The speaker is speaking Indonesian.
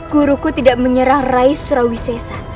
guruku tidak menyerang rais rawisesa